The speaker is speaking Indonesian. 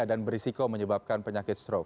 dan berisiko menyebabkan penyakit struk